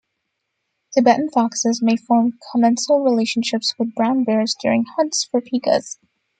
Tibetan foxes may form commensal relationships with brown bears during hunts for pikas.